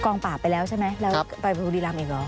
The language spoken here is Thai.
กองปากไปแล้วใช่มั้ยแล้วไปบุรีรำอีกหรอ